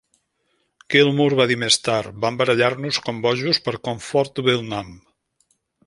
Gilmour va dir més tard, vam barallar-nos com bojos per "Comfortably Numb".